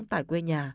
tại quê nhà